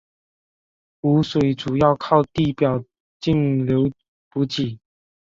湖水主要靠地表径流补给。